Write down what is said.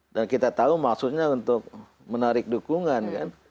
dan kita tahu maksudnya untuk menarik dukungan